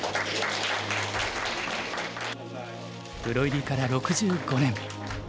プロ入りから６５年。